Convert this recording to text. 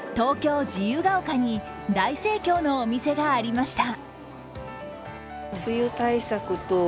東京・自由が丘に大盛況のお店がありました。